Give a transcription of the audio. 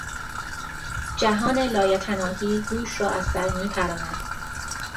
جهان لایتناهی هوش را از سر میپراند.